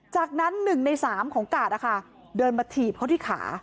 จากนั้นหนึ่งในสามของกาศนะคะเดินมาถีบเขาที่ขา